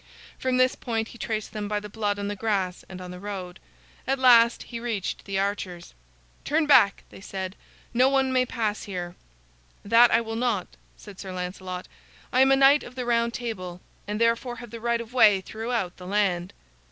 From this point he traced them by the blood on the grass and on the road. At last he reached the archers. "Turn back," they said. "No one may pass here." "That I will not," said Sir Lancelot. "I am a Knight of the Round Table, and therefore have the right of way throughout the land."